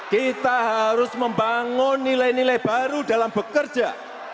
kita harus membangun nilai nilai baru dalam bekerja